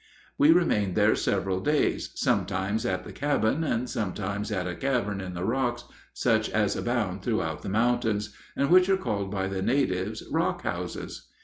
We remained there several days, sometimes at the cabin and sometimes at a cavern in the rocks such as abound throughout the mountains, and which are called by the natives "rock houses."